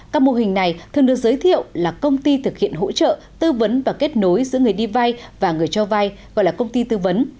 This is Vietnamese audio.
các mô hình này thường được giới thiệu là công ty thực hiện hỗ trợ tư vấn và kết nối giữa người đi vay và người cho vay gọi là công ty tư vấn